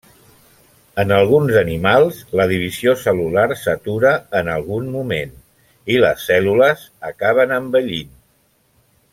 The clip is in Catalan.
En alguns animals, la divisió cel·lular s'atura en algun moment, i les cèl·lules acaben envellint.